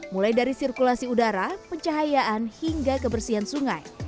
mulai dari sirkulasi udara pencahayaan hingga kebersihan sungai